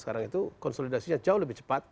sekarang itu konsolidasinya jauh lebih cepat